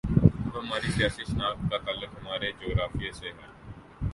اب ہماری سیاسی شناخت کا تعلق ہمارے جغرافیے سے ہے۔